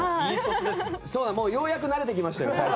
ようやく慣れてきましたよ